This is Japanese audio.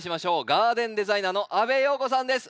ガーデンデザイナーの阿部容子さんです。